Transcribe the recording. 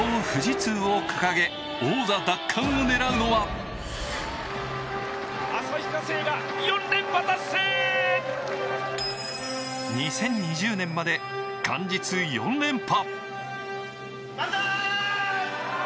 富士通を掲げ、王座奪還を狙うのは２０２０年まで元日４連覇。